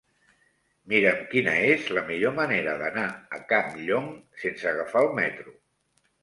Mira'm quina és la millor manera d'anar a Campllong sense agafar el metro.